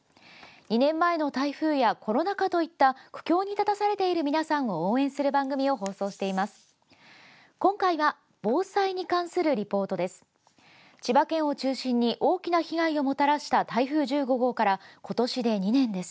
２年前の台風やコロナ禍といった苦境に立たされている皆さんを応援する番組を放送しています。